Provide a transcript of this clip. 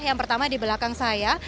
yang pertama di belakang saya